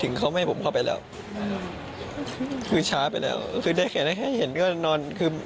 เอ่อเขามีปัญหากับแม่แฟนผมแก่นั้นเอง